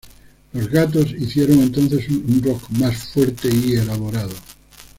Los Gatos hicieron entonces un rock más fuerte y elaborado.